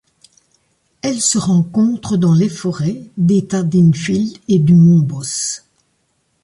Elle se rencontre dans les forêts d'État d'Enfield et du mont Boss.